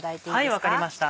はい分かりました